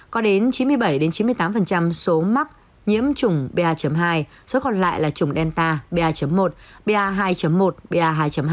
có đến chín mươi bảy chín mươi tám số mắc nhiễm trùng ba hai số còn lại là chủng delta ba một ba một ba hai hai